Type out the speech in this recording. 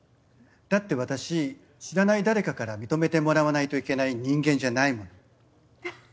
だって私知らない誰かから認めてもらわないといけない人間じゃないもの。